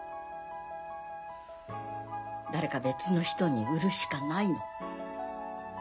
誰か別の人に売るしかないの。